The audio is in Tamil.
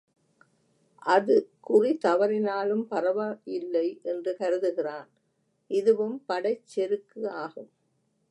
அது குறி தவறினாலும் பரவாயில்லை என்று கருதுகிறான் இதுவும் படைச் செருக்கு ஆகும்.